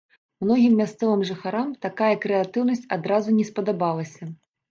Многім мясцовым жыхарам такая крэатыўнасць адразу не спадабалася.